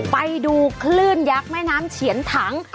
ไปดูคลื่นยักษ์แม่น้ำเฉียนถัง